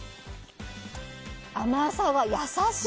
甘さが優しい。